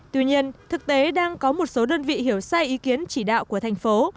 tuy nhiên thực tế đang có một số đơn vị hiểu sai ý kiến chỉ đạo của thành phố